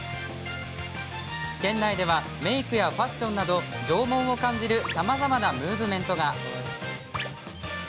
県内ではメークやファッションなど、縄文を感じるさまざまなムーブメントが。